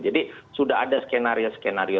jadi sudah ada skenario skenario